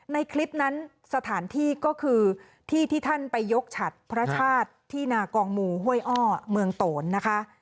ในคลิปนั้นสถานที่ก็คือที่ที่ท่านไปยกฉัดพระชาติที่นากองหมู่ห้วยอ้อเมืองโตนนะคะ